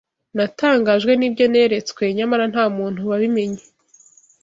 Natangajwe n’ibyo neretswe; nyamara nta muntu wabimenye.”